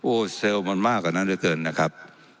โอ้โหเซลล์มันมากกว่านั้นเหลือเกินนะครับ